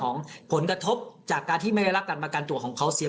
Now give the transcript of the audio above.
ผลกระทบจากการที่ไม่ได้รับการประกันตัวของเขาเสีย